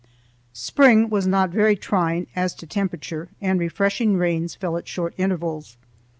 Spring was not very trying as to temperature, and refreshing rains fell at short intervals.